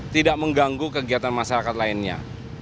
tidak mengganggu kegiatan masyarakat lainnya